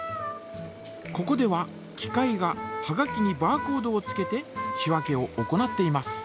ここでは機械がはがきにバーコードをつけて仕分けを行っています。